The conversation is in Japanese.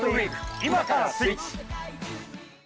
今からスイッチ。